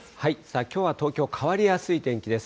きょうは東京、変わりやすい天気です。